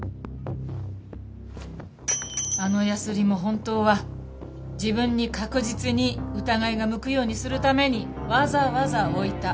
あのヤスリも本当は自分に確実に疑いが向くようにするためにわざわざ置いた。